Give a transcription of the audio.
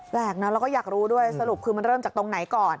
เราก็อยากรู้ด้วยสรุปคือมันเริ่มจากตรงไหนก่อน